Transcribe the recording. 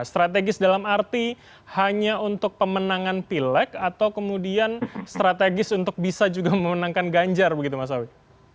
strategis dalam arti hanya untuk pemenangan pilek atau kemudian strategis untuk bisa juga memenangkan ganjar begitu mas awi